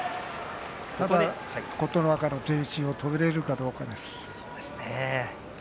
ただ琴ノ若も前進を止められるかどうかですね。